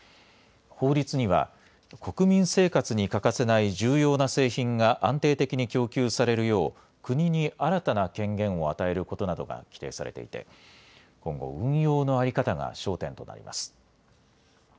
法律には国民生活に欠かせない重要な製品が安定的に供給されるよう国に新たな権限を与えることなどが規定されていて今後、運用の在り方が焦点となります。